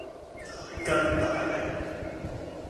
大吉大利